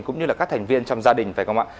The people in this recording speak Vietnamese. cũng như là các thành viên trong gia đình phải không ạ